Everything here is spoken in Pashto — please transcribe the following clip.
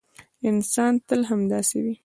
انسان تل همداسې و.